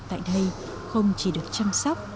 tại đây không chỉ được chăm sóc